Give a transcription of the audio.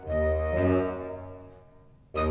kalau akang kenapa dikasih nama muslihat